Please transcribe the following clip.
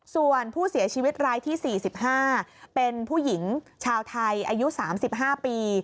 ส่วนผู้เสียชีวิตรายที่๔๕เป็นผู้หญิงชาวไทยอายุ๓๕ปี